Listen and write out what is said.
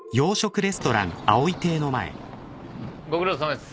ご苦労さまです。